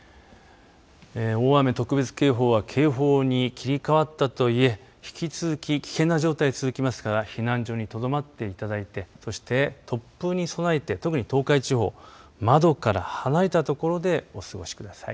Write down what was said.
大雨特別警報は警報に切り替わったとはいえ引き続き危険な状態、続きますから避難所にとどまっていただいて突風に備えて特に東海地方窓から離れたところでお過ごしください。